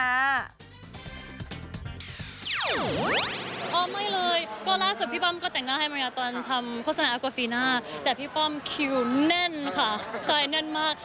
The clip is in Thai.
ก็ไม่เลยก็ล่าสุดพี่ป้อมก็แต่งหน้าให้มาตอนทำโฆษณาโกฟีน่าแต่พี่ป้อมคิวแน่นค่ะชายแน่นมาก